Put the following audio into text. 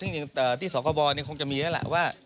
ซึ่งยังต้องจากที่สกบนความคุม